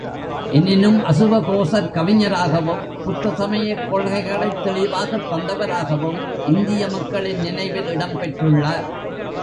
எனினும் அசுவகோசர் கவிஞராகவும் புத்த சமயக் கொள்கைகளைத் தெளிவாகத் தந்தவராகவும் இந்திய மக்களின் நினைவில் இடம்பெற்றுள்ளார்.